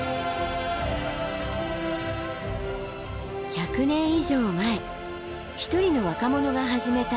１００年以上前一人の若者が始めた山荘。